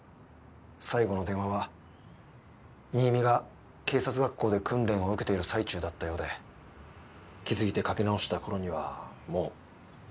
最後の電話は新見が警察学校で訓練を受けている最中だったようで気付いてかけ直したころにはもう。